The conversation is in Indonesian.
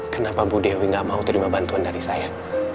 kenapa bu dewi gak mau terima bantuan dari saya